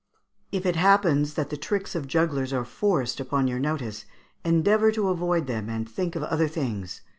If it happens that the tricks of jugglers are forced upon your notice, endeavour to avoid them, and think of other things.